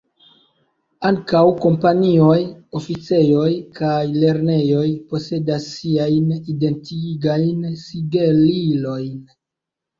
Ankaŭ kompanioj, oficejoj kaj lernejoj posedas siajn identigajn sigelilojn.